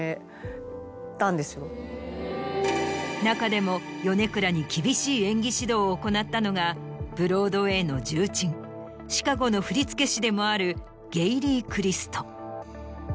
中でも米倉に厳しい演技指導を行ったのがブロードウェイの重鎮『シカゴ』の振付師でもあるゲイリー・クリスト。